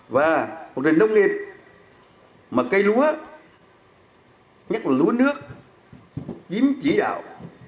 và một nền nông nghiệp mà cây lúa nhất là lúa nước chiếm chỉ đạo